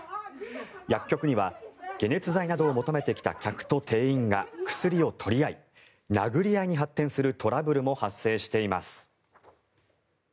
薬局には解熱剤などを求めてきた客と店員が薬を取り合い殴り合いに発展するトラブルも発生しています。